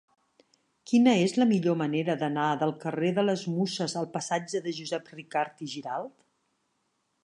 Quina és la millor manera d'anar del carrer de les Muses al passatge de Josep Ricart i Giralt?